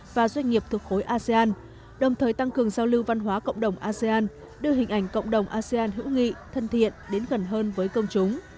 và doanh nghiệp thuộc khối asean đồng thời tăng cường giao lưu văn hóa cộng đồng asean đưa hình ảnh cộng đồng asean hữu nghị thân thiện đến gần hơn với công chúng